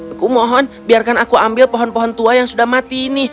aku mohon biarkan aku ambil pohon pohon tua yang sudah mati ini